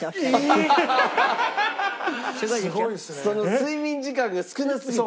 睡眠時間が少なすぎて。